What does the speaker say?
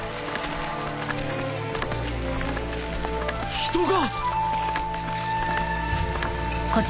人が。